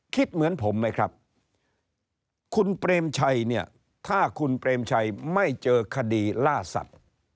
คิดเหมือนผมไหมครับคุณเปรมชัยเนี่ยถ้าคุณเปรมชัยไม่เจอคดีล่าสัตว์